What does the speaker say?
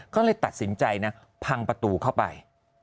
ก็เลยตัดสินใจนะพังประตูเข้าไป